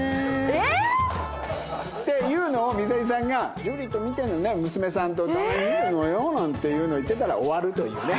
えっ！？っていうのを水谷さんが趣里と見てるのね娘さんとたまに見るのよなんていうのを言ってたら終わるというね。